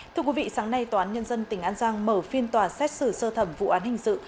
thưa quý vị sáng nay tòa án nhân dân tỉnh an giang mở phiên tòa xét xử sơ thẩm vụ án hình sự